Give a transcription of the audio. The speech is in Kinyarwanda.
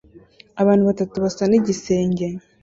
Abantu batatu basana igisenge